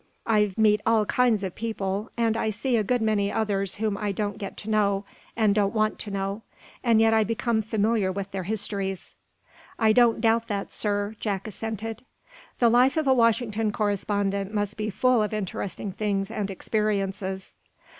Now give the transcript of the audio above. I meet all kinds of people, and I see a good many others whom I don't get to know, and don't want to know, and yet I become familiar with their histories." "I don't doubt that, sir," Jack assented. "The life of a Washington correspondent must be full of interesting things and experiences."